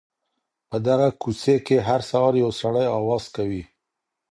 په دغه کوڅې کي هر سهار یو سړی اواز کوي.